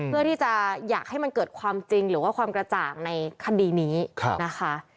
เพื่อที่จะอยากให้มันเกิดความจริงหรือว่าความกระจ่างในคดีนี้นะคะ